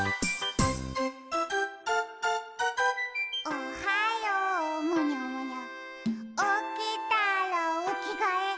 「おはようむにゃむにゃおきたらおきがえ」